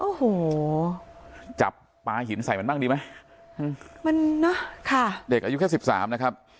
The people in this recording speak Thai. โอ้โหจับปลาหินใส่มันบ้างดีไหมมันเนอะค่ะเด็กอายุแค่สิบสามนะครับ